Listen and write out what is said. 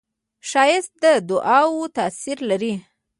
ښایست د دعاوو تاثیر لري